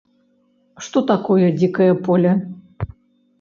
Што такое дзікае поле?